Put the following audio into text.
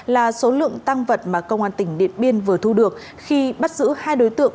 là số lượng tăng vật mà công an tỉnh điện biên vừa thu được khi bắt giữ hai đối tượng